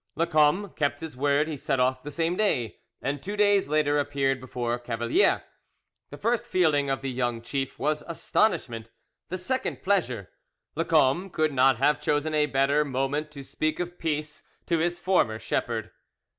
Lacombe kept his word: he set off the same day, and two days later appeared before Cavalier. The first feeling of the young chief was astonishment, the second pleasure. Lacombe could not have chosen a better moment to speak of peace to his former shepherd.